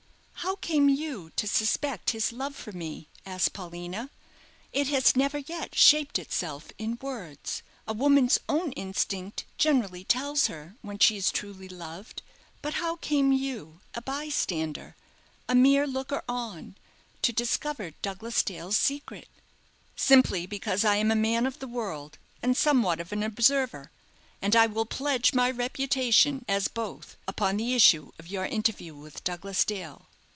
"How came you to suspect his love for me?" asked Paulina. "It has never yet shaped itself in words. A woman's own instinct generally tells her when she is truly loved; but how came you, a bystander, a mere looker on, to discover Douglas Dale's secret?" "Simply because I am a man of the world, and somewhat of an observer, and I will pledge my reputation as both upon the issue of your interview with Douglas Dale."